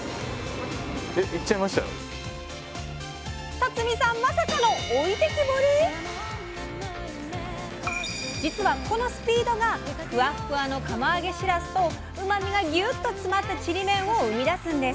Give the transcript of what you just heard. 辰巳さん実はこのスピードがふわっふわの釜揚げしらすとうまみがギュッと詰まったちりめんを生み出すんです！